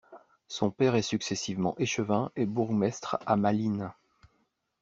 Son père est successivement échevin et bourgmestre à Malines.